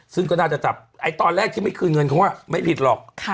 ซึ่งก็น่าจะจับไอ้ตอนแรกที่ไม่คืนเงินเขาไม่ผิดหรอก